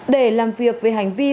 để làm việc về hành vi